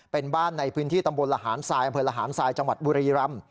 เป็นบ้านในพื้นที่ตำบลละหารทรายอำเภอละหารทรายจังหวัดบุรีรำ